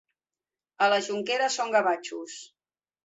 A la Jonquera són gavatxos.